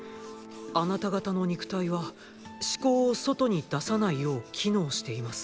あなた方の肉体は思考を外に出さないよう機能しています。